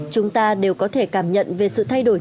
chúng ta đều có thể cảm nhận về sự thay đổi